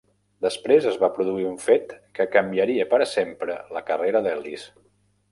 Després es va produir un fet que canviaria per a sempre la carrera d'Ellis.